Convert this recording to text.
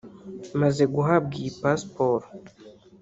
Maze guhabwa iyi pasiporo